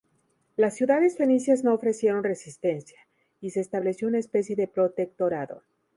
Las ciudades fenicias no ofrecieron resistencia, y se estableció una especie de protectorado.